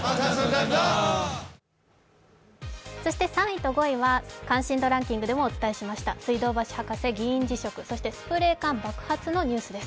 ３位と５位は「関心度ランキング」でもお伝えしました水道橋博士議員辞職スプレー缶爆発のニュースです。